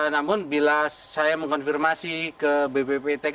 namun bila saya mengkonfirmasi ke bpptk